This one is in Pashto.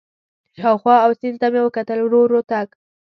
شاوخوا او سیند ته مې وکتل، ورو ورو تګ.